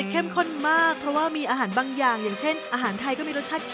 ข้นมากเพราะว่ามีอาหารบางอย่างอย่างเช่นอาหารไทยก็มีรสชาติ